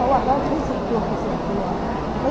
เธอก็อยากกลับทางแล้ว